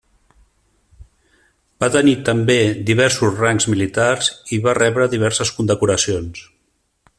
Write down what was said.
Va tenir també diversos rangs militars i va rebre diverses condecoracions.